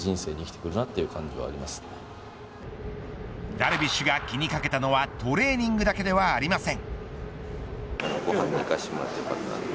ダルビッシュが気にかけたのはトレーニングだけではありません。